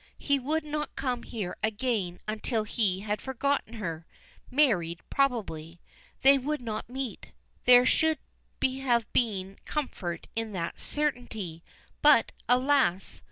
He would not come here again until he had forgotten her married, probably. They would not meet. There should have been comfort in that certainty, but, alas!